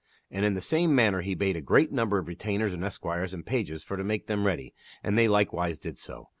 And in the same manner he bade a great number of retainers and esquires and pages for to make them ready, and they likewise did so.